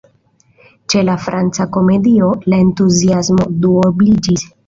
Ĉe la Franca Komedio, la entuziasmo duobliĝis.